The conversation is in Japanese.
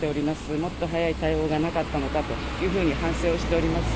もっと早い対応がなかったのかと反省をしております。